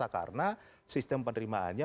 karena sistem penerimaannya